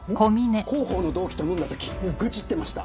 広報の同期と飲んだ時愚痴ってました。